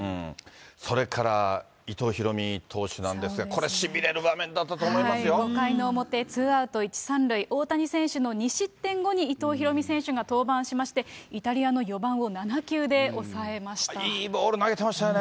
それから伊藤大海投手なんですけれども、これ、しびれる場面５回の表２アウト１、３塁、大谷選手の２失点後に伊藤大海投手が登板しまして、イタリアの４いいボール投げてましたよね。